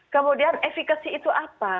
kemudian efekasi itu apa